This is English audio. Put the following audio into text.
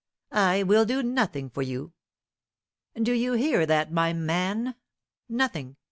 "I will do nothing for you. Do you hear that, my man? Nothing!